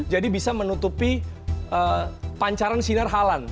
jadi bisa menutupi pancaran sinar halan